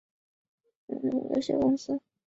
全联实业股份有限公司